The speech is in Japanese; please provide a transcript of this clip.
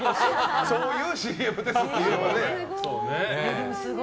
そういうＣＭですって言えばね。